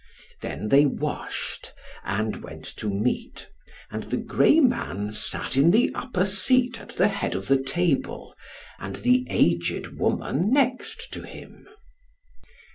Then they washed, and went to meat, and the grey man sat in the upper seat at the head of the table, and the aged woman next to him.